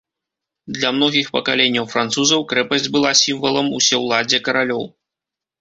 Для многіх пакаленняў французаў крэпасць была сімвалам усеўладдзя каралёў.